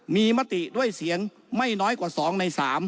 มีมติด้วยเสียงไม่น้อยกว่า๒ใน๓